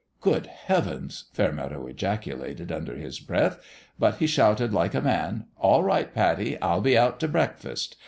"Good Heavens!" Fairmeadow ejaculated, under his breath ; but he shouted, like a man, "All right, Pattie! I'll be out to breakfast!"